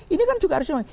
ini kan juga harus dimaksud